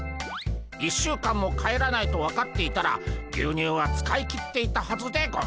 １週間も帰らないと分かっていたら牛乳は使い切っていったはずでゴンス。